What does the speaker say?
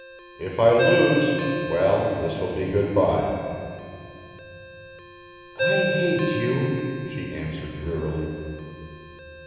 If I lose well, this will be good bye." "I hate you," she answered drearily.